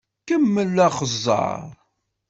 Kemmel axeẓẓeṛ!